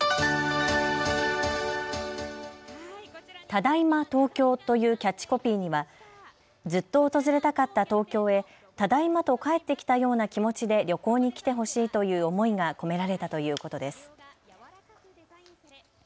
ただいま東京というキャッチコピーにはずっと訪れたかった東京へただいまと帰ってきたような気持ちで旅行に来てほしいという思いが込められたということです。